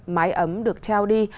mái ấm được trao đi